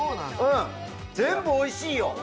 全部おいしいよ！